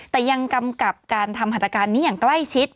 แต่ยังกำกับการทำหัตการณ์นี้อย่างใกล้ชิด